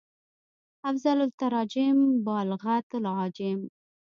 افضل التراجم بالغت العاجم